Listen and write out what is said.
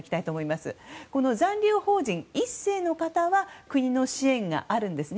この残留邦人１世の方は国の支援があるんです。